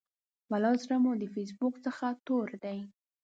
ولا زړه مو د فیسبوک څخه تور دی.